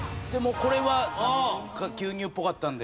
これが牛乳っぽかったので。